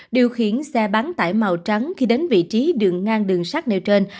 điều khiến xe bán tải màu trắng khi đến vị trí đường ngang đường sát nèo trên